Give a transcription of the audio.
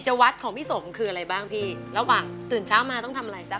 วัดของพี่สมคืออะไรบ้างพี่ระหว่างตื่นเช้ามาต้องทำอะไรจ๊ะ